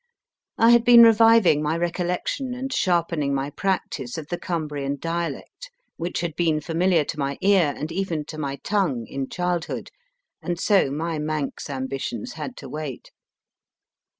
I had been reviving my recol lection and sharpening my practice of the Cumbrian dialect HALL CAINE 67 which had been familiar to my ear, and even to my tongue, in childhood, and so my Manx ambitions had to wait.